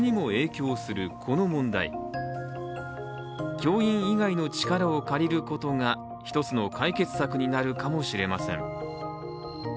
教員以外の力を借りることが一つの解決策になるかもしれません。